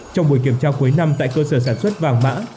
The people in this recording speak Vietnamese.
trong buổi kiểm tra cuối năm tại cơ sở sản xuất vàng mã